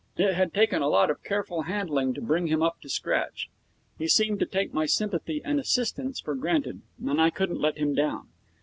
It had taken a lot of careful handling to bring him up to scratch. He seemed to take my sympathy and assistance for granted, and I couldn't let him down.